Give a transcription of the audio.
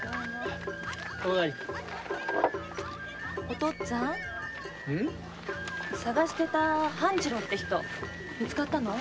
お父っつぁん捜してた半次郎って人見つかったの？